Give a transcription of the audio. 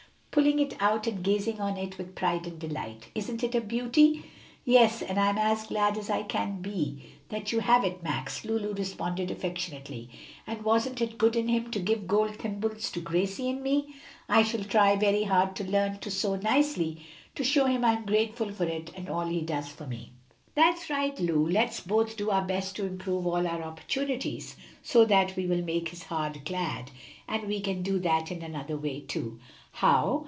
pulling it out and gazing on it with pride and delight. "Isn't it a beauty?" "Yes; and I'm as glad as I can be that you have it, Max," Lulu responded affectionately. "And wasn't it good in him to give gold thimbles to Gracie and me? I shall try very hard to learn to sew nicely, to show him I'm grateful for it and all he does for me." "That's right, Lu; let's both do our best to improve all our opportunities, so that we will make his heart glad. And we can do that in another way, too." "How?"